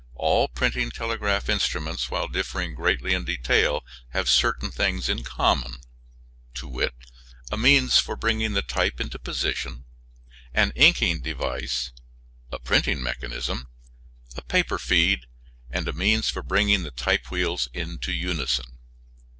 All printing telegraph instruments, while differing greatly in detail, have certain things in common, to wit: a means for bringing the type into position, an inking device, a printing mechanism, a paper feed, and a means for bringing the type wheels into unison.